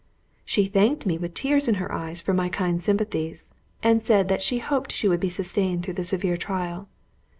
She thanked me with tears in her eyes for my kind sympathies, and said that she hoped she would be sustained through the severe trial.